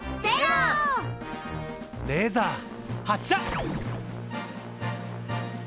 レーザー発射！